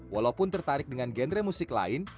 walaupun tertarik dengan genre musik lain